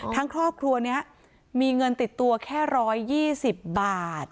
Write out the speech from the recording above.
ครอบครัวนี้มีเงินติดตัวแค่๑๒๐บาท